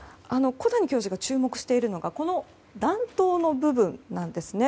小谷教授が注目しているのが弾頭の部分なんですね。